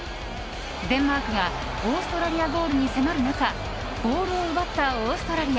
デンマークがオーストラリアゴールに迫る中ボールを奪ったオーストラリア。